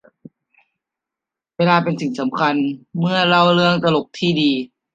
เวลาเป็นสิ่งสำคัญเมื่อเล่าเรื่องตลกที่ดี